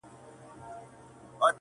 • خو سهار نه سوای ور تللای تر درباره,